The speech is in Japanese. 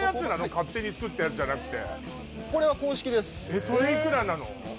勝手に作ったやつじゃなくてこれは公式ですえっそれいくらなの？